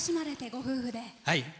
ご夫婦で。